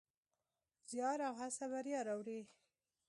زیار او هڅه بریا راوړي.